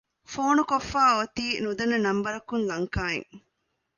ފޯނުކޮށްފައި އޮތީ ނުދަންނަ ނަންބަރަކުން ލަންކާއިން